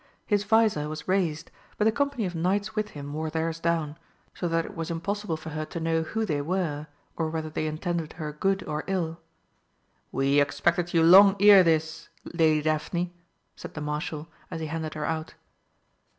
His vizor was raised, but the company of knights with him wore theirs down, so that it was impossible for her to know who they were or whether they intended her good or ill. "We expected you long ere this, Lady Daphne," said the Marshal as he handed her out.